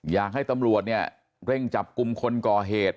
อยากให้ตำรวจเนี่ยเร่งจับกลุ่มคนก่อเหตุ